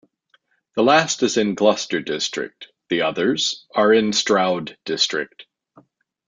The last is in Gloucester district, the others are in Stroud district.